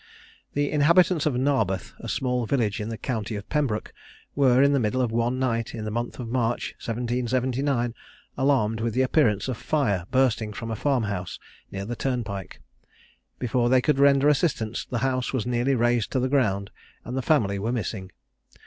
The inhabitants of Narbeth, a small village in the county of Pembroke, were, in the middle of one night in the month of March, 1779, alarmed with the appearance of fire bursting from a farm house near the turnpike. Before they could render assistance the house was nearly razed to the ground, and the family were missing.